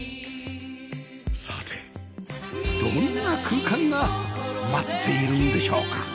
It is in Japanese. さてどんな空間が待っているんでしょうか？